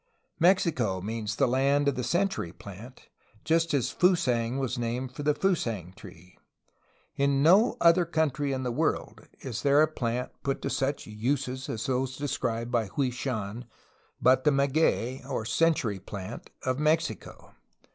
*' '^Mexico" means the land of the century plant, just as "Fusang'^ was named for the 'Tusang tree.^^ In no other country in the world is there a plant put to such uses as those described by Hwui Shan but the maguey, or century plant, of Mexico.